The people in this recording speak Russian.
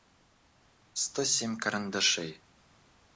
сто семь карандашей